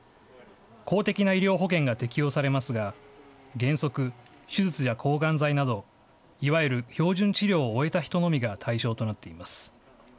公的な医療保険が適用されますが、原則、手術や抗がん剤など、いわゆる標準治療を終えた人のみが対象となっています。